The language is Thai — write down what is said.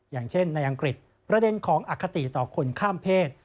อย่างเช่นในอังกฤษประเด็นของอคติต่อคนข้ามเพศ